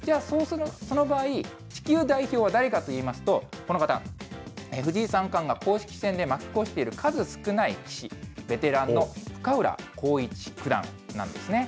その場合、地球代表は誰かといいますと、この方、藤井三冠が公式戦で負け越している数少ない棋士、ベテランの深浦康市九段なんですね。